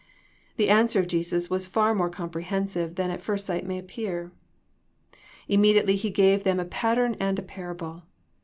The answer of Jesus was far more comprehen sive than at first sight may appear. Immedi ately He gave them a pattern and a parable.